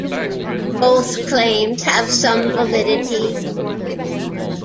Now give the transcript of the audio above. Both claims have some validity.